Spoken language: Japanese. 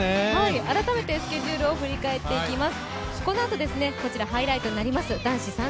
改めてスケジュールを振り返っていきます。